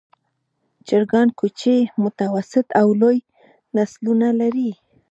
چرګان کوچني، متوسط او لوی نسلونه لري.